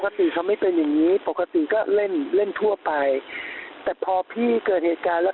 สติเขาไม่เป็นอย่างงี้ปกติก็เล่นเล่นทั่วไปแต่พอพี่เกิดเหตุการณ์แล้ว